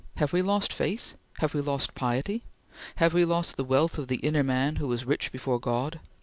Have we lost faith? Have we lost piety? Have we lost the wealth of the inner man who is rich before God?